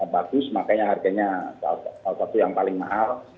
bagus makanya harganya salah satu yang paling mahal